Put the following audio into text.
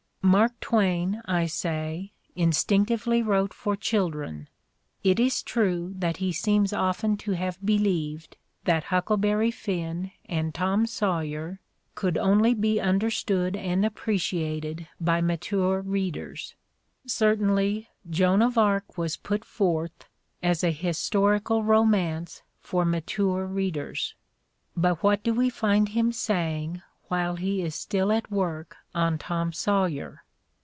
Mark Twain, I say, instinctively wrote for children. It is true that he seems often to have believed that "Huckleberry Finn" and "Tom Sawyer" could only be understood and appreciated by mature readers; cer tainly "Joan of Arc" was put forth as a historical romance for mature readers. But what do we find him saying while he is still at work on "Tom Sawyer"?